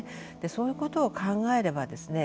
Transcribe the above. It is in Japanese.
そういうことを考えればですね